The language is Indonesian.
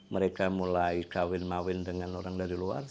mereka mulai kawin mawin dengan orang dari luar